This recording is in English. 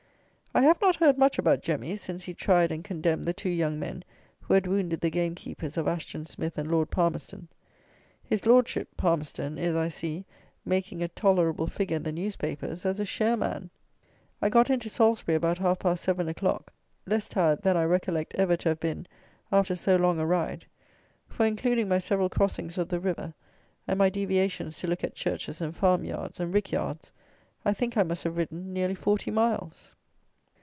I have not heard much about "Jemmy" since he tried and condemned the two young men who had wounded the game keepers of Ashton Smith and Lord Palmerston. His Lordship (Palmerston) is, I see, making a tolerable figure in the newspapers as a share man! I got into Salisbury about half past seven o'clock, less tired than I recollect ever to have been after so long a ride; for, including my several crossings of the river and my deviations to look at churches and farm yards, and rick yards, I think I must have ridden nearly forty miles.